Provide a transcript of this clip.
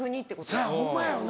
そやホンマやよな。